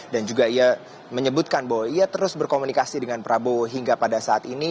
dan juga ia menyebutkan bahwa ia terus berkomunikasi dengan prabowo hingga pada saat ini